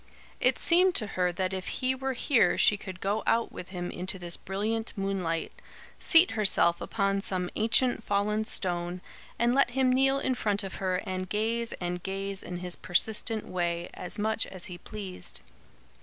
It seemed to her that if he were here she could go out with him into this brilliant moonlight, seat herself upon some ancient fallen stone, and let him kneel in front of her and gaze and gaze in his persistent way, as much as he pleased.